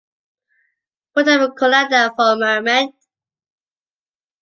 Put them in a colander for a moment.